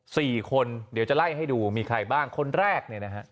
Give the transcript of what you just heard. สี่คนเดียวจะไล่ให้ดูมีใครบ้างคนแรก